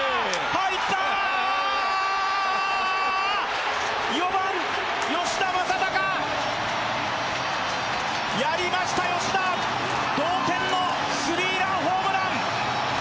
入ったー４番吉田正尚やりました吉田同点のスリーランホームラン